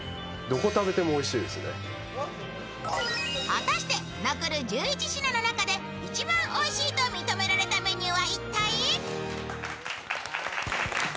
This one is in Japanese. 果たして残る１１品の中で、一番おいしいと認められたメニューは一体？